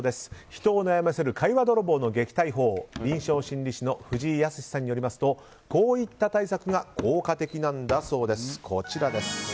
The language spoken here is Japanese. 人を悩ませる会話泥棒の撃退法臨床心理士の藤井靖さんによりますとこういった対策が効果的なんだそうです。